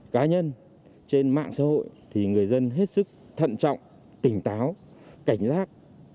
cá nhân trên mạng xã hội thì người dân hết sức thận trọng tỉnh táo cảnh giác